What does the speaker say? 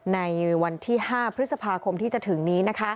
ในวันที่๕พฤษภาคมที่จะถึงนี้